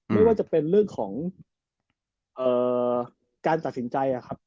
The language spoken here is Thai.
ไม่ว่าจะเป็นเรื่องของการตัดสินใจครับ